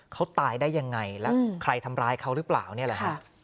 เขาตายได้ยังไงแล้วใครทำร้ายเขาหรือเปล่าเนี่ยแหละฮะ